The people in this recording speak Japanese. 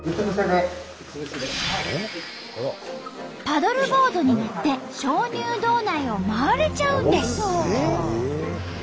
パドルボードに乗って鍾乳洞内を回れちゃうんです。